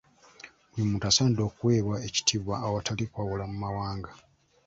Buli muntu assanidde okuweebwa ekitiibwa awatali kwawula mu mawanga.